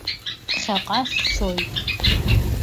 Ԥхьаҟа сцоит.